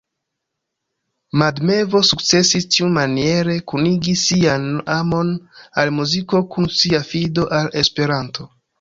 Mad Mevo sukcesis tiumaniere kunigi sian amon al muziko kun sia fido al Esperanto.